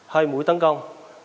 hai mũi tấn công